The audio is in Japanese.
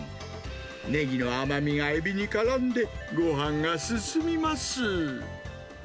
ネギの甘みがエビにからんで、ごはんが進みます。